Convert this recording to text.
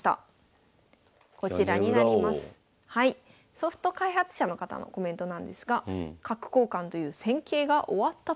ソフト開発者の方のコメントなんですが「角交換と言う戦型が終わった」と。